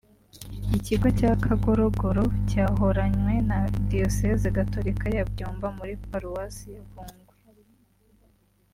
Ikigo cya Kagorogoro cyahoranywe na Diyoseze Gatolika ya Byumba muri Paruwasi ya Bungwe